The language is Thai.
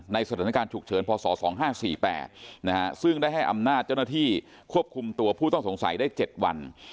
สถานการณ์ฉุกเฉินพศ๒๕๔๘ซึ่งได้ให้อำนาจเจ้าหน้าที่ควบคุมตัวผู้ต้องสงสัยได้๗วัน